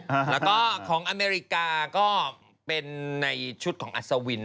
แล้วก็ของอเมริกาก็เป็นในชุดของอัศวิน